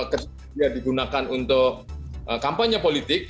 kejadian yang digunakan untuk kampanye politik